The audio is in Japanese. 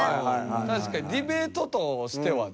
確かにディベートとしてはね。